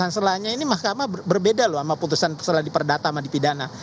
masalahnya ini mahkamah berbeda loh sama putusan setelah di perdata sama di pidana